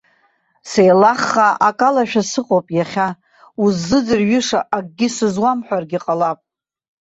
Сеилаххаа акалашәа сыҟоуп иахьа, уззыӡырҩыша акгьы сызуамҳәаргьы ҟалап!